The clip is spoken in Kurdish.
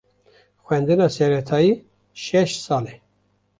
Xwendina seretayî şeş sal e.